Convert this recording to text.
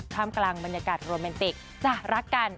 กลางบรรยากาศโรแมนติกจะรักกัน